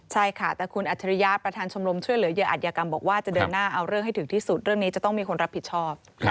ใช่ค่ะแต่คุณอัจฉริยะประธานชมรมช่วยเหลือเหยื่ออัธยากรรมบอกว่าจะเดินหน้าเอาเรื่องให้ถึงที่สุดเรื่องนี้จะต้องมีคนรับผิดชอบ